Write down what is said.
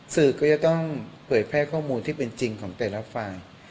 สื่อก็จะต้องเผยแพร่ข้อมูลที่เป็นจริงของแต่ละฝ่าย